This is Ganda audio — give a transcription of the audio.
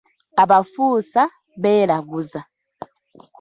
Abafuusa beeraguza.